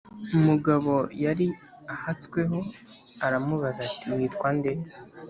umugabo yari ahatsweho aramubaza ati: “witwa nde?”